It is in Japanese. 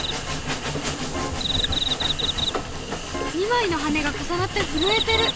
２枚の羽が重なって震えてる！